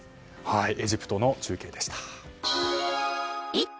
エジプトの中継でした。